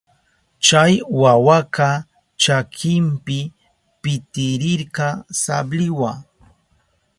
Chay wawaka chakinpi pitirirka sabliwa.